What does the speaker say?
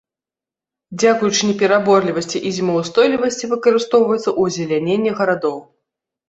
Дзякуючы непераборлівасці і зімаўстойлівасці выкарыстоўваецца ў азеляненні гарадоў.